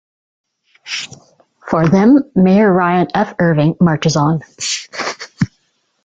For them, Mayor Ryan F. Irving marches on.